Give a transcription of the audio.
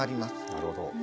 なるほど。